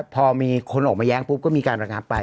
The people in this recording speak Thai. พอมีคนออกมาแย้งปุ๊บก็มีการระงับไป